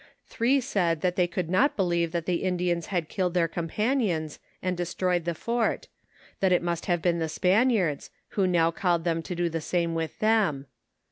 Three said that they could not believe that the Indiana had killed their companions, and destroyed the fort ; that it must have been the Spaniards, who now called them to do tho same with them.